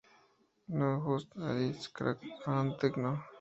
Now we just have aids, crack and techno.